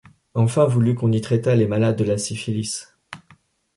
Enfin voulut qu'on y traitât les malades de la syphilis.